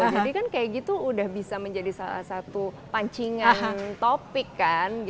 jadi kan kayak gitu udah bisa menjadi salah satu pancingan topik kan